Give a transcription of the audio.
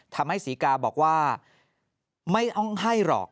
ศรีกาบอกว่าไม่ต้องให้หรอก